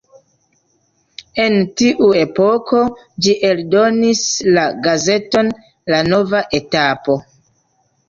En tiu epoko ĝi eldonis la gazeton La Nova Etapo.